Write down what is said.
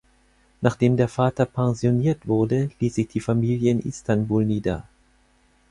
Nachdem der Vater pensioniert wurde, ließ sich die Familie in Istanbul nieder.